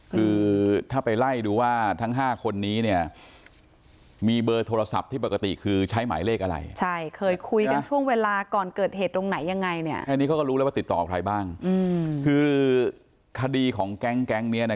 คือถ้าไปไล่ดูว่าทั้ง๕คนนี้เนี่ยมีเบอร์โทรศัพท์ที่ปกติคือใช้หมายเลขอะไรใช่เคยคุยกันช่วงเวลาก่อนเกิดเหตุตรงไหนยังไงเนี่ยอันนี้เขาก็รู้แล้วว่าติดต่อใครบ้างคือคดีของแก๊งนี้นะ